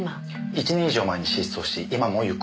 １年以上前に失踪し今も行方不明。